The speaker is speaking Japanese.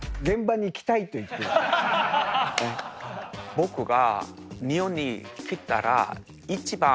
僕が。